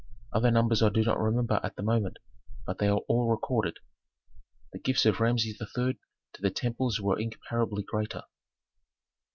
Other numbers I do not remember at the moment, but they are all recorded." The gifts of Rameses III. to the temples were incomparably greater.